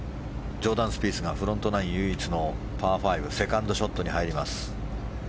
ジョーダン・スピースがフロントナイン唯一のパー５セカンドショットに入ります。